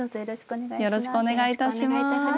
よろしくお願いします。